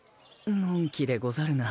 のんきでござるな。